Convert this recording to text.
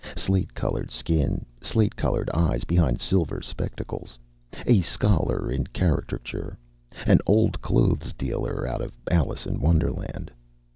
Slate colored skin, slate colored eyes behind silver spectacles. A scholar in caricature, an Old Clothes Dealer out of Alice in Wonderland.